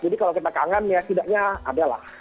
jadi kalau kita kangen ya tidaknya ada lah